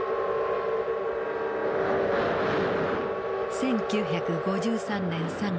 １９５３年３月。